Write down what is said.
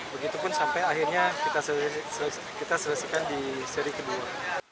begitupun sampai akhirnya kita selesaikan di seri kedua